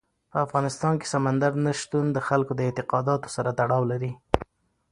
په افغانستان کې سمندر نه شتون د خلکو د اعتقاداتو سره تړاو لري.